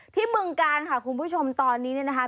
ที่เบื้องการค่ะคุณผู้ชมตอนนี้นะคะ